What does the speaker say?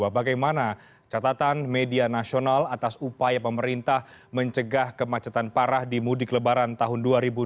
bagaimana catatan media nasional atas upaya pemerintah mencegah kemacetan parah di mudik lebaran tahun dua ribu dua puluh